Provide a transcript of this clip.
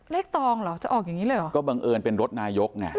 ตองเหรอจะออกอย่างนี้เลยเหรอก็บังเอิญเป็นรถนายกไง